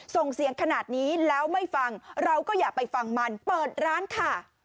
ส่งเสียงขนาดนี้แล้วไม่ฟังเราก็อย่าไปฟังมันเปิดร้านค่ะ